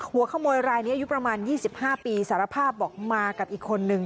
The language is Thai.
หัวขโมยรายนี้อายุประมาณ๒๕ปีสารภาพบอกมากับอีกคนนึง